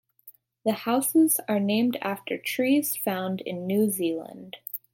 The Houses are named after trees found in New Zealand.